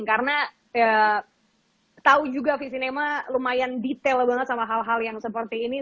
karena tahu juga v cinema lumayan detail banget sama hal hal yang seperti ini